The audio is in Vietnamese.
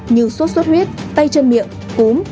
như suốt suốt huyết tay chân miệng cúm